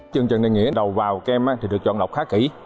chương trình này nghĩa đầu vào em thì được chọn đọc khá kỹ